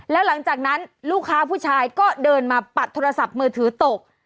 แล้วหลังจากนั้นลูกค้าผู้ชายก็เดินมาปัดโทรศัพท์มือถือตก